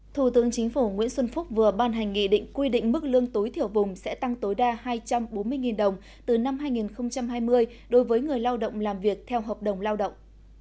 thủ tướng chính phủ nguyễn xuân phúc vừa ban hành nghị định quy định mức lương tối thiểu vùng sẽ tăng tối đa hai trăm bốn mươi đồng từ năm hai nghìn hai mươi đối với người lao động làm việc theo hợp đồng lao động